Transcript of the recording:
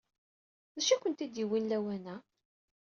D acu ay ken-id-yewwen lawan-a?